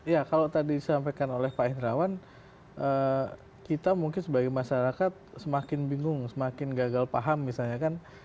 ya kalau tadi disampaikan oleh pak hendrawan kita mungkin sebagai masyarakat semakin bingung semakin gagal paham misalnya kan